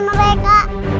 pasti bisa melawan mereka